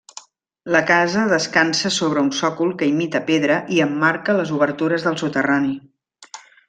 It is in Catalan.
La casa descansa sobre un sòcol que imita pedra i emmarca les obertures del soterrani.